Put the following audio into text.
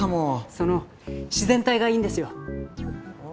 その自然体がいいんですよ。